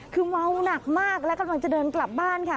คือเมาหนักมากและกำลังจะเดินกลับบ้านค่ะ